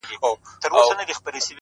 که تریخ دی زما دی!!